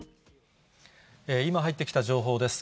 今入ってきた情報です。